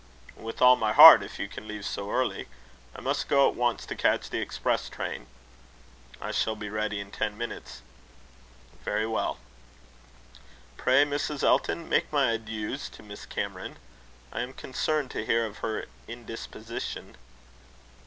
"With all my heart, if you can leave so early. I must go at once to catch the express train." "I shall be ready in ten minutes." "Very well." "Pray, Mrs. Elton, make my adieus to Miss Cameron. I am concerned to hear of her indisposition."